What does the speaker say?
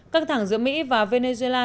các thẳng giữa mỹ và venezuela